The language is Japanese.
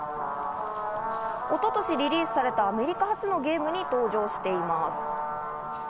一昨年リリースされたアメリカ発のゲームに登場しています。